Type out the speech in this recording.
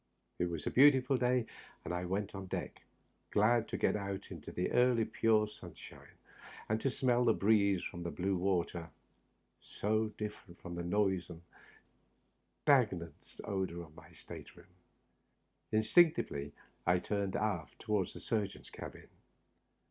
It was a beautiful day, and I went on deck, glad to get out into the early, pure sunshine, and to smell the breeze from the blue water, so different from the noisome, stagnant odor of my state room. Instinct ively I turned aft, toward the surgeon's cabin.